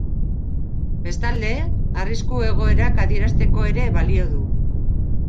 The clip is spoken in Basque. Bestalde, arrisku egoerak adierazteko ere balio du.